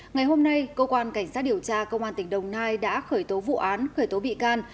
ngày hôm nay cơ quan cảnh sát điều tra công an tỉnh đồng nai đã khởi tố vụ án khởi tố bị can